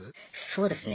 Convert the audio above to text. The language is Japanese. そうですね。